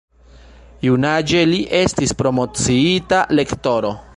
Junaĝe li estis promociita Lektoro.